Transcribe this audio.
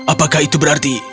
apakah itu berarti